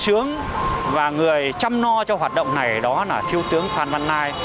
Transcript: thiêu tướng và người chăm no cho hoạt động này đó là thiêu tướng phan văn nai